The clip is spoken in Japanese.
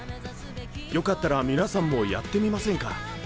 よかったら皆さんもやってみませんか？